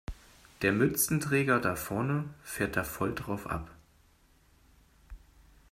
Der Mützenträger da vorne fährt da voll drauf ab.